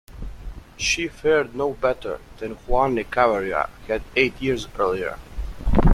She fared no better than Juan Echavarria had eight years earlier.